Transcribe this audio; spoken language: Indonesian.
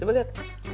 ibu guru yola